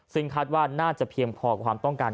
ซึ่งคาดว่าน่าจะเพียงพอความต้องการ